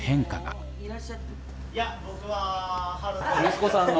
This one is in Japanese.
息子さんの。